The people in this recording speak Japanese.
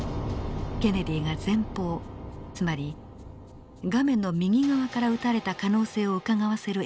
ケネディが前方つまり画面の右側から撃たれた可能性をうかがわせる映像です。